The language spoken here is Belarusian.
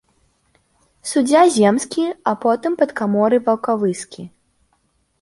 Суддзя земскі, а потым падкаморы ваўкавыскі.